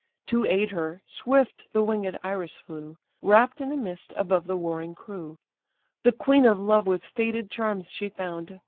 To aid her, swift the winged Iris flew, Wrapt in a mist above the warring crew. The queen of love with faded charms she found.